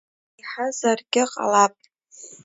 Еиҳазаргьы ҟалап!